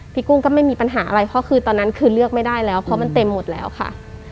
กุ้งก็ไม่มีปัญหาอะไรเพราะคือตอนนั้นคือเลือกไม่ได้แล้วเพราะมันเต็มหมดแล้วค่ะ